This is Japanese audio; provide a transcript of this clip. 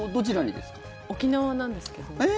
沖縄なんですけど。